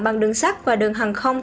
bằng đường sắt và đường hàng không